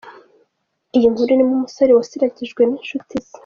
Iyi nkuru irimo umusore wasiragijwe n'inshuti ze.